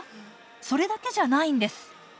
それだけじゃないんです。